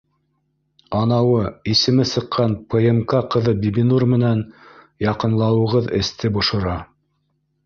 Анауы исеме сыҡҡан ПМК ҡыҙы Бибинур менән яҡынлауығыҙ эсте бошора